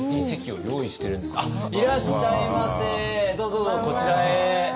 どうぞどうぞこちらへ。